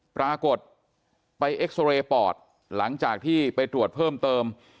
ปรากฏไปเอ็กซอเรย์ปอดหลังจากที่ไปตรวจเพิ่มเติม